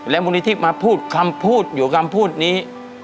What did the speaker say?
มูลนิธิมาพูดคำพูดอยู่คำพูดนี้